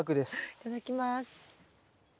いただきます。